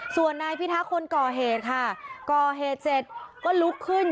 ส่วนนายพิทักษ์คนก่อเหตุค่ะก่อเหตุเสร็จก็ลุกขึ้น